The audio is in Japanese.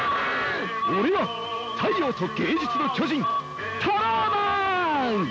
俺は太陽と芸術の巨人タローマン！